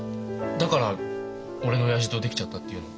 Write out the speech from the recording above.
だから俺の親父とできちゃったって言うの？